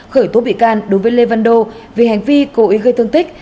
khởi tố bị can đối với lê văn đô vì hành vi cố ý gây thương tích